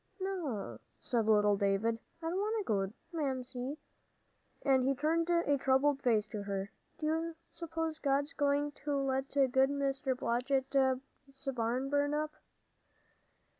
"No," said little David, "I don't want to go, Joel. Mamsie " and he turned a troubled face to her "do you suppose God's going to let good Mr. Blodgett's barn burn up?"